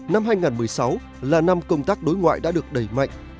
năm hai nghìn một mươi sáu là năm công tác đối ngoại đã được đẩy mạnh